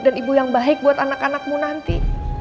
dan ibu yang baik buat anak anakmu nanti